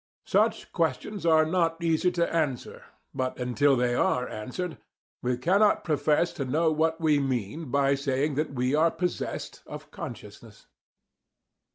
Such questions are not easy to answer; but until they are answered we cannot profess to know what we mean by saying that we are possessed of "consciousness."